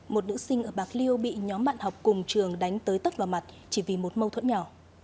một nữ sinh ở bạc liêu bị nhóm bạn học cùng trường đánh tới tất vào mặt chỉ vì một mâu thuẫn nhỏ